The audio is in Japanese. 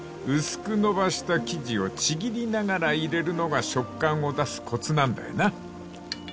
［薄く延ばした生地をちぎりながら入れるのが食感を出すコツなんだよな］